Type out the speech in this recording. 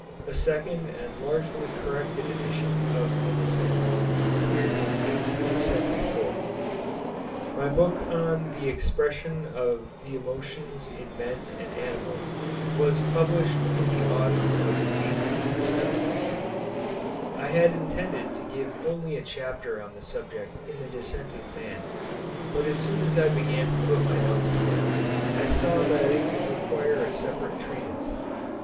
A second and largely corrected edition of the 'Descent' appeared in 1874. My book on the 'Expression of the Emotions in Men and Animals' was published in the autumn of 1872. I had intended to give only a chapter on the subject in the 'Descent of Man,' but as soon as I began to put my notes together, I saw that it would require a separate treatise.